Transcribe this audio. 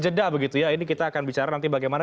jeda begitu ya ini kita akan bicara nanti bagaimana